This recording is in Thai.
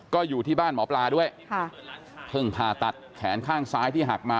ก็อยู่ที่บ้านหมอปลาด้วยค่ะเพิ่งผ่าตัดแขนข้างซ้ายที่หักมา